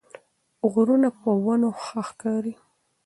غرونه په ونو ښه ښکاري